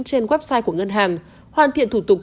trên website của ngân hàng hoàn thiện thủ tục